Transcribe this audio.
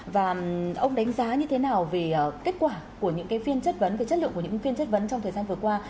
và ông đánh giá như thế nào về kết quả của những phiên chất vấn về chất lượng của những phiên chất vấn trong thời gian vừa qua